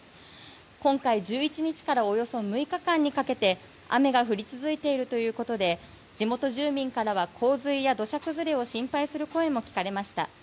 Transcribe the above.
今回１１日からおよそ６日間にかけて雨が降り続いているということで地元住民からは洪水や土砂崩れを心配する声も聞かれました。